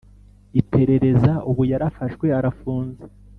iperereza Ubu yarafashwe arafunze